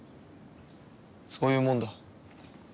そういうもんだ。